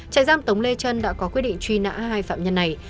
trại giam tống lê trân đã có quyết định truy nã hai phạm nhân này